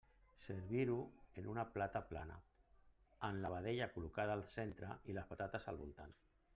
Serviu-ho en una plata plana, amb la vedella col·locada al centre i les patates al voltant.